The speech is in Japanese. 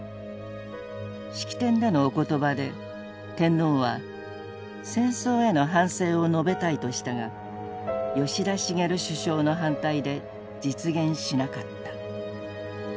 式典での「おことば」で天皇は戦争への反省を述べたいとしたが吉田茂首相の反対で実現しなかった。